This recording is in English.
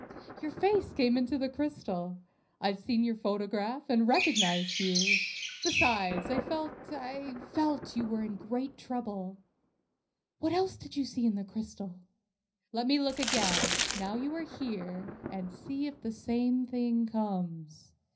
"Your face came into the crystal. I'd seen your photograph, and recognized you. Besides, I felt I felt that you were in great trouble." "What else did you see in the crystal?" "Let me look again, now you are here, and see if the same thing comes."